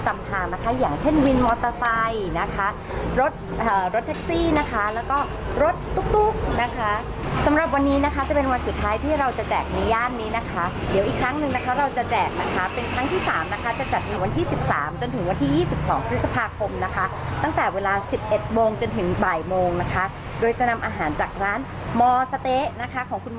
โดยจะนำอาหารจากร้านมสะเต๊ะของคุณมอริสเคนมาแจก